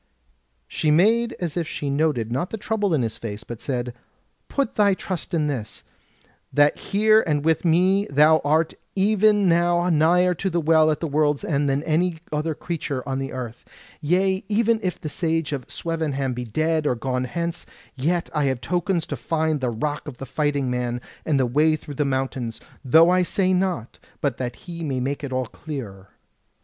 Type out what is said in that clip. She made as if she noted not the trouble in his face, but said: "Put thy trust in this, that here and with me thou art even now nigher to the Well at the World's End than any other creature on the earth. Yea, even if the Sage of Swevenham be dead or gone hence, yet have I tokens to find the Rock of the Fighting Man, and the way through the mountains, though I say not but that he may make it all clearer.